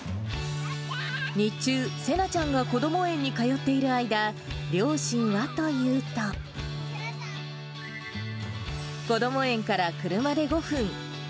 日中、せなちゃんがこども園に通っている間、両親はというと、こども園から車で５分。